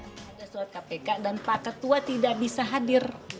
tidak ada surat kpk dan pak ketua tidak bisa hadir